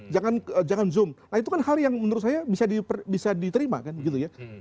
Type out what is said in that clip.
jangan zoom nah itu kan hal yang menurut saya bisa diterima kan gitu ya